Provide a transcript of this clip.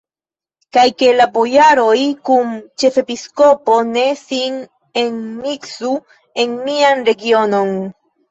Kaj ke la bojaroj kun ĉefepiskopo ne sin enmiksu en mian regionon!